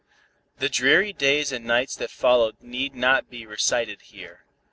The dreary days and nights that followed need not be recited here.